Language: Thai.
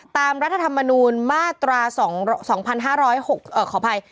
ตามรัฐธรรมนูนมาตราสองสองพันห้าร้อยหกเอ่อขออภัย